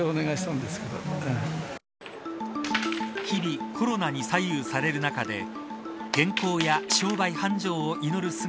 日々コロナに左右される中で健康や商売繁盛を祈る